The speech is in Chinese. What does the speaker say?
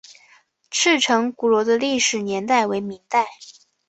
赤城鼓楼的历史年代为明代。